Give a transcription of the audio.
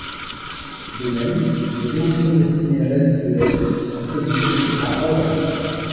De même les émissions destinées à l'Asie de l'Est sont audibles à Hawaï.